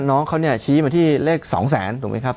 น้องเขาเนี่ยชี้มาที่เลข๒แสนถูกไหมครับ